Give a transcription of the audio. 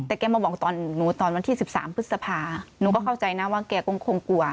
แต่แกมาบอกตอนหนูตอนวันที่๑๓พฤษภาหนูก็เข้าใจนะว่าแกคงกลัว